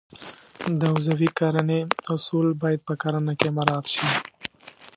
د عضوي کرنې اصول باید په کرنه کې مراعات شي.